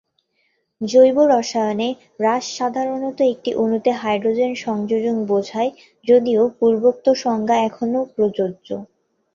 জৈব রসায়নে, হ্রাস সাধারণত একটি অণুতে হাইড্রোজেন সংযোজন বোঝায়, যদিও পূর্বোক্ত সংজ্ঞা এখনও প্রযোজ্য।